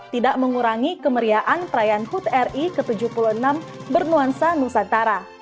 tidak mengurangi kemeriaan perayaan hut ri ke tujuh puluh enam bernuansa nusantara